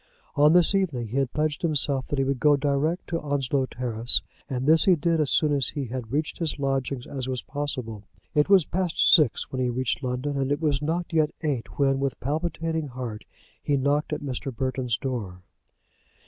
On this evening he had pledged himself that he would go direct to Onslow Terrace; and this he did as soon after he had reached his lodgings as was possible. It was past six when he reached London, and it was not yet eight when, with palpitating heart, he knocked at Mr. Burton's door.